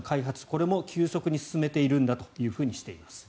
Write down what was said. これも急速に進めているんだとしています。